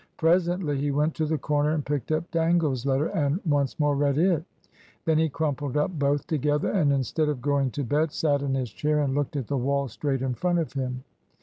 Presently he went to the corner and picked up Dangle's letter and once more read it. Then he crumpled up both together, and instead of going to bed sat in his chair and looked at the wall straight in front of him.